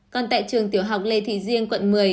còn tại trường tiểu học lê thị riêng quận một mươi